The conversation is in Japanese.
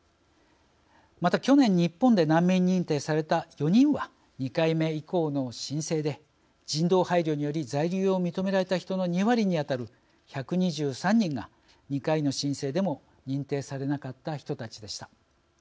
また、去年日本で難民認定された４人は２回目以降の申請で人道配慮により在留を認められた人の２割に当たる１２３人が２回の申請でも認定されなかった人たちでした。